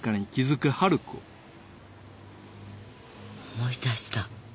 思い出した。